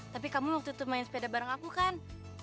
tapi kamu waktu itu main sepeda bareng aku kan